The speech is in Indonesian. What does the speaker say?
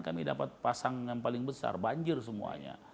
kami dapat pasang yang paling besar banjir semuanya